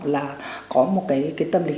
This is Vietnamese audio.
là có một cái tâm lý